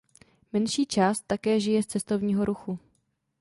Menší část také žije z cestovního ruchu.